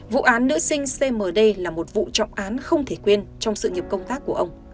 vụ án nữ sinh cm đây là một vụ trọng án không thể quên trong sự nghiệp công tác của ông